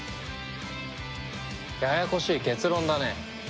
ややこしい結論だね。